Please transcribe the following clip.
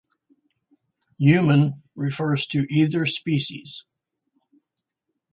"Human" refers to either species.